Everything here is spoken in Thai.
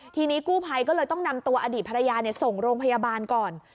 ทีนี้กู้ภัยก็เลยต้องนำตัวอดีตภรรยาส่งโรงพยาบาลก่อน